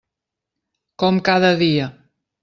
Com cada dia.